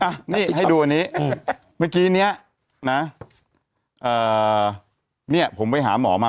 อ่ะนี่ให้ดูอันนี้เมื่อกี้เนี้ยนะเอ่อเนี้ยผมไปหาหมอมา